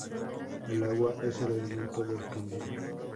El Agua es el elemento del cambio.